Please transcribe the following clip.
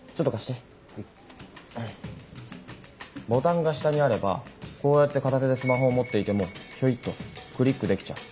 ボタンが下にあればこうやって片手でスマホを持っていてもひょいっとクリックできちゃう。